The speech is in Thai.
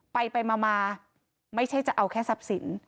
ไปไปมาไม่ใช่จะเอาแค่ทรัพย์สิน